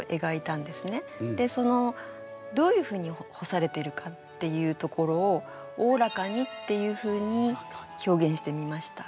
でそのどういうふうに干されているかっていうところを「大らかに」っていうふうに表現してみました。